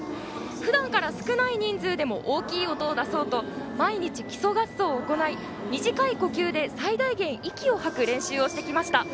ふだんから少ない人数でも大きい音を出そうと毎日、基礎合奏を行い短い呼吸で最大限、息を吐く練習をしてきました。